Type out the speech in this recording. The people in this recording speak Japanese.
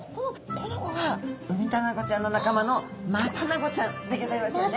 この子がウミタナゴちゃんの仲間のマタナゴちゃんでギョざいますよね。